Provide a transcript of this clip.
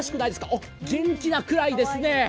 あっ、元気なくらいですね。